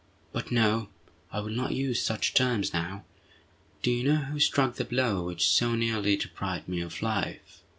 "But no! I will not use such terms now. Do you know who struck the blow which so nearly deprived me of life?"